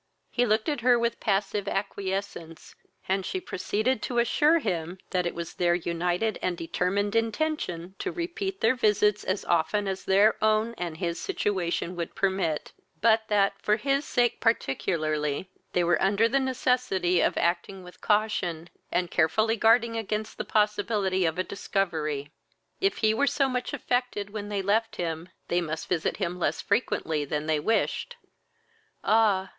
He looked at her with passive acquiescence, and she proceeded to assure him that it was their united and determined intention to repeat their visits as often as their own and his situation would permit: but that, for his sake particularly, they were under the necessity of acting with caution, and carefully guarding against the possibility of a discovery. If he were so much affected when they left him, they must visit him less frequently than they wished. "Ah!